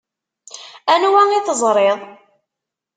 Anwa i teẓṛiḍ?